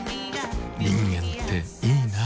人間っていいナ。